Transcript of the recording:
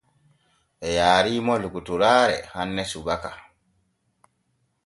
Ɓe yaariimo lokotoraare hanne subaka.